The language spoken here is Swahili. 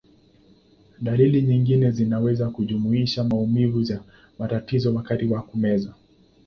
Dalili nyingine zinaweza kujumuisha maumivu na matatizo wakati wa kumeza.